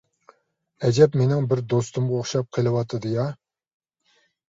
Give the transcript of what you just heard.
ئەجەب مېنىڭ بىر دوستۇمغا ئوخشاپ قېلىۋاتىدۇ يا.